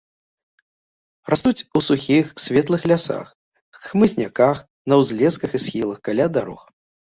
Растуць у сухіх светлых лясах, хмызняках, на ўзлесках і схілах, каля дарог.